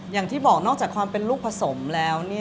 อย่างที่บอกนอกจากความเป็นลูกผสมแล้ว